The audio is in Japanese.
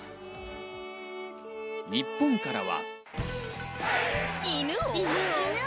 日本からは。